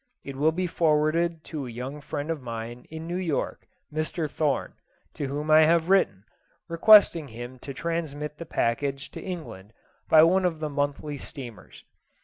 It will be forwarded to a young friend of mine in New York, Mr. Thorne, to whom I have written, requesting him to transmit the package to England by one of the monthly steamers.